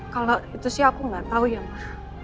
kalau itu sih aku gak tahu ya ma